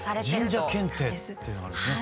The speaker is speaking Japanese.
神社検定っていうのがあるんですね。